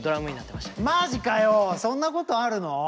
まじかよそんなことあるの？